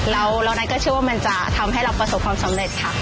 แล้วนัทก็เชื่อว่ามันจะทำให้เราประสบความสำเร็จค่ะ